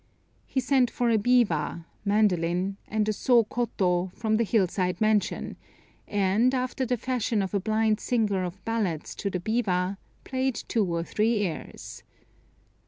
He sent for a biwa (mandolin) and a soh koto from the hill side mansion, and, after the fashion of a blind singer of ballads to the biwa, played two or three airs.